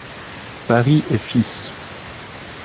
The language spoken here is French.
Paris et Fils.